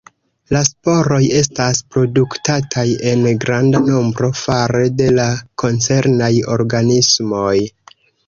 La sporoj estas produktataj en granda nombro fare de la koncernaj organismoj.